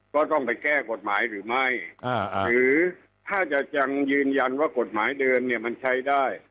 ก็ต้องไปแก้กฎหมายหรือไม่หรือถ้าจะยังยืนยันว่ากฎหมายเดิมเนี่ยมันใช้ได้